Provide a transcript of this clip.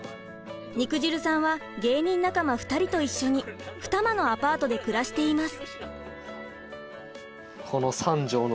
肉汁さんは芸人仲間２人と一緒に二間のアパートで暮らしています。